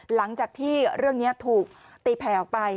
หลังจากที่เรื่องนี้ถูกตีแผ่ออกไป